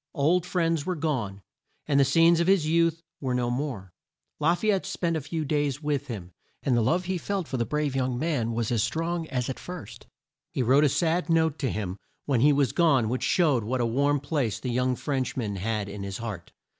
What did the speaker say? Old friends were gone, and the scenes of his youth were no more. La fay ette spent a few days with him, and the love he felt for the brave young man was as strong as at first. He wrote a sad note to him when he was gone which showed what a warm place the young French man had in his heart.